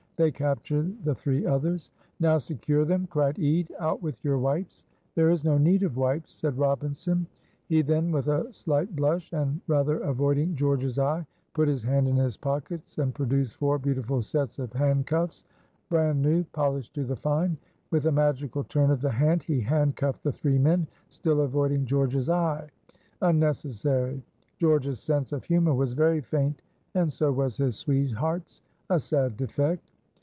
They captured the three others. "Now secure them," cried Ede. "Out with your wipes." "There is no need of wipes," said Robinson. He then, with a slight blush, and rather avoiding George's eye, put his hand in his pockets and produced four beautiful sets of handcuffs, bran new, polished to the fine. With a magical turn of the hand he handcuffed the three men, still avoiding George's eye. Unnecessary. George's sense of humor was very faint, and so was his sweetheart's a sad defect.